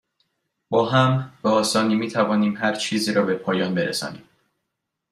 با هم، به آسانی می توانیم هرچیزی را به پایان برسانیم.